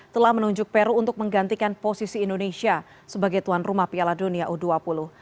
telah menunjuk peru untuk menggantikan posisi indonesia sebagai tuan rumah piala dunia u dua puluh